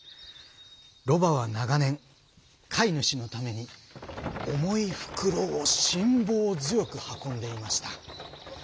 ロバは長年飼い主のために重い袋を辛抱強く運んでいました。